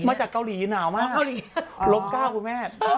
มาจากเกาหลีคือลบ๙